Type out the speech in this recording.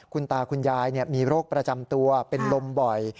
คุณตาคุณยายมีโรคประจำตัวเป็นลมบ่อย